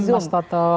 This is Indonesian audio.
malam mas toto